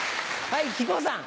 はい。